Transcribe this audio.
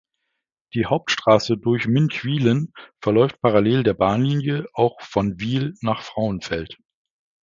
Die Hauptstrasse durch Münchwilen verläuft parallel der Bahnlinie auch von Wil nach Frauenfeld.